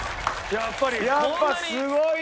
やっぱすごいよ！